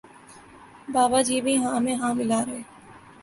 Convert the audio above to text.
بابا جی بھی ہاں میں ہاں ملا رہے